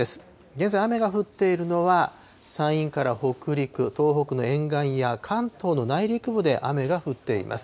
現在、雨が降っているのは山陰から北陸、東北の沿岸や関東の内陸部で雨が降っています。